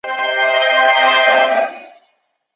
你没有人生